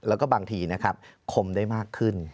แล้วก็บางทีนะครับคมได้มากขึ้น